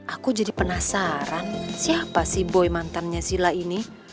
aku jadi penasaran siapa sih boy mantannya sila ini